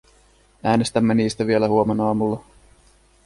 Äänestämme niistä vielä huomenaamulla.